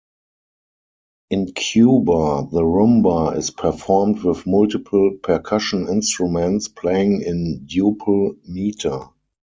In Cuba, the rumba is performed with multiple percussion instruments, playing in duple meter.